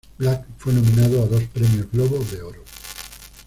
Black fue nominado a dos Premios Globo de Oro.